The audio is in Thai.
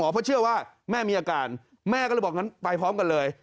เพราะเชื่อว่าแม่มีอาการแม่ก็เลยบอกงั้นไปพร้อมกันเลย